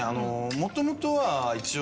もともとは一応。